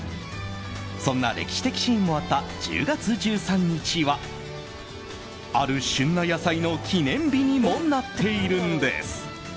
そんな歴史的シーンもあった１０月１３日はある旬な野菜の記念日にもなっているんです。